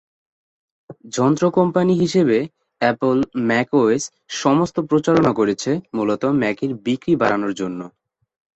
যন্ত্র কোম্পানি হিশেবে Apple macOS সমস্ত প্রচারণা করেছে মূলত ম্যাকের বিক্রি বাড়ানোর জন্য।